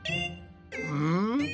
うん？